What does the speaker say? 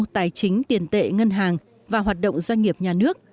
tài chính tiền tệ ngân hàng và hoạt động doanh nghiệp nhà nước